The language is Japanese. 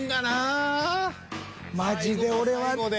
マジで俺は。